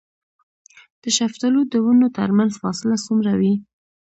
د شفتالو د ونو ترمنځ فاصله څومره وي؟